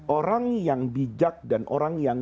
orang yang bijak dan orang yang